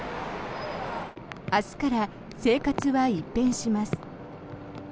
明日から生活は一変します。